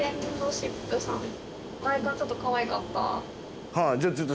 外観ちょっとかわいかった。